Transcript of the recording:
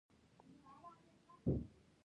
افغانستان کې د اوړي په اړه زده کړه کېږي.